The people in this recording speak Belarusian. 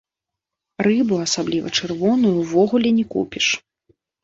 Рыбу, асабліва чырвоную, увогуле не купіш.